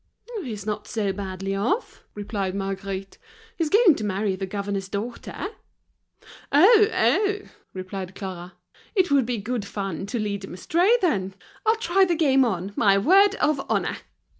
"He's not so badly off," replied Marguerite, "he's going to marry the governor's daughter." "Oh! oh!" replied Clara, "it would be good fun to lead him astray, then! I'll try the game on, my word of honor!"